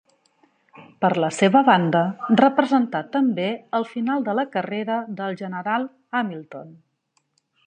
Per la seva banda, representà també el final de la carrera del general Hamilton.